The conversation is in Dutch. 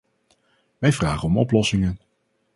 Wij vragen om oplossingen.